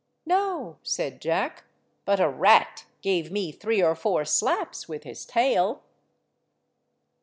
"No," said Jack, "but a rat gave me three or four slaps with his tail."